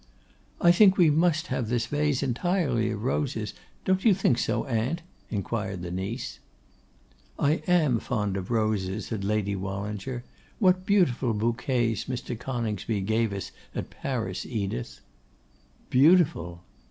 'I think we must have this vase entirely of roses; don't you think so, aunt?' inquired her niece. 'I am fond of roses,' said Lady Wallinger. 'What beautiful bouquets Mr. Coningsby gave us at Paris, Edith!' 'Beautiful!